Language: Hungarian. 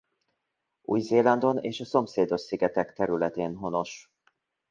Új-Zélandon és a szomszédos szigetek területén honos.